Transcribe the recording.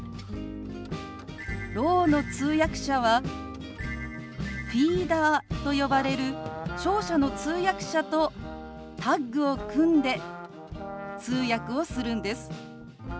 ろうの通訳者はフィーダーと呼ばれる聴者の通訳者とタッグを組んで通訳をするんです。